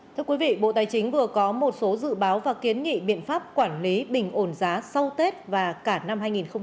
thưa quý vị bộ tài chính vừa có một số dự báo và kiến nghị biện pháp quản lý bình ổn giá sau tết và cả năm hai nghìn hai mươi